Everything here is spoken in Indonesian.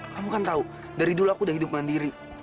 kamu kan tahu dari dulu aku udah hidup mandiri